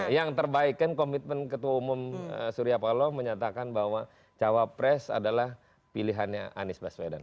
yang terbaik kan komitmen ketua umum surya paloh menyatakan bahwa cawapres adalah pilihannya anies baswedan